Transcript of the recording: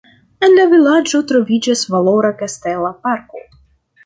En la vilaĝo troviĝas valora kastela parko.